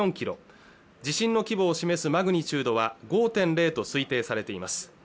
地震の規模を示すマグニチュードは５．０と推定されています